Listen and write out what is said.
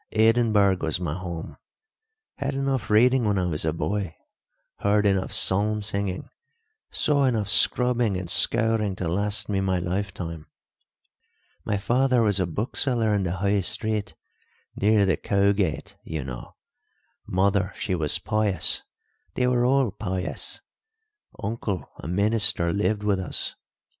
Edinburgh was my home. Had enough reading when I was a boy; heard enough psalm singing, saw enough scrubbing and scouring to last me my lifetime. My father was a bookseller in the High Street, near the Cowgate you know! Mother, she was pious—they were all pious. Uncle, a minister, lived with us.